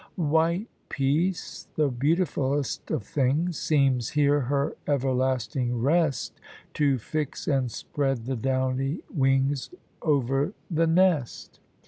White peace, the beautifull'st of things, Seems here her everlasting rest To fix and spread the downy wings Over the nest.